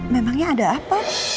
memangnya ada apa